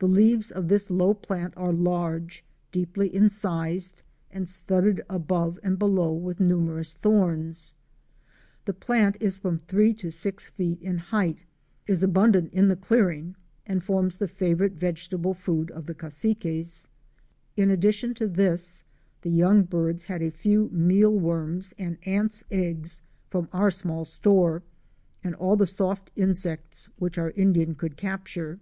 The leaves of this low plant are large, deeply incised and studded above and below with numerous thorns. The plant is from three to six feet in height, is abundant in the clearing, and forms the favorite vegetable food of the Cassiques. In addition to this, the young birds had a few mealworms and ants' eggs from our small store, and all the soft insects which our Indian could capture.